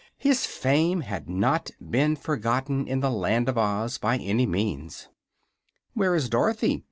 His fame had not been forgotten in the Land of Oz, by any means. "Where is Dorothy?"